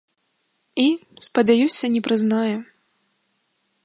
І, спадзяюся, не прызнае.